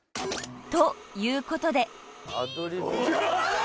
［ということで］